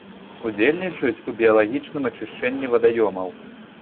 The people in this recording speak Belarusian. Удзельнічаюць у біялагічным ачышчэнні вадаёмаў.